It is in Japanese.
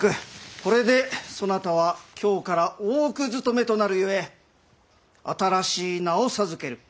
これでそなたは今日から大奥勤めとなるゆえ新しい名を授ける。